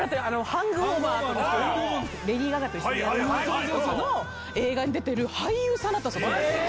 ハングオーバーとか、レディー・ガガと一緒にやった映画に出てる俳優さんだったんですよ。